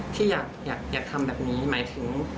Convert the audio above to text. ที่อยากทำแบบนี้หมายถึง